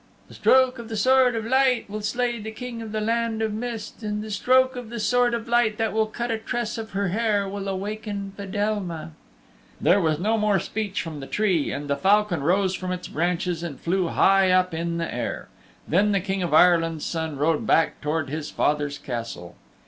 "The stroke of the Sword of Light will slay the King of the Land of Mist and the stroke of the Sword of Light that will cut a tress of her hair will awaken Fedelma." There was no more speech from the tree and the falcon rose from its branches and flew high up in the air. Then the King of Ireland's Son rode back towards his father's Castle.